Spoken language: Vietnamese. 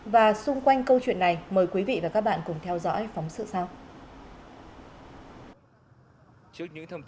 và xung quanh câu chuyện này mời quý vị và các bạn cùng theo dõi phóng sự sau